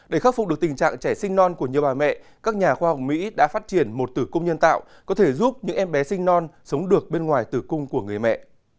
để khắc phục được tình trạng trẻ sinh non của nhiều bà mẹ các nhà khoa học mỹ đã phát triển một tử cung nhân tạo có thể giúp những em bé sinh non sống được bên ngoài tử cung của người mẹ